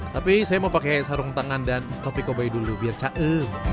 tapi saya mau pakai sarung tangan dan kopi kobai dulu biar cahe